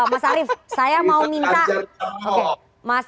mas arief saya mau minta